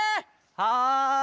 はい！